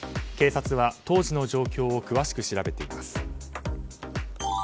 警察は当時の状況を詳しく調べています。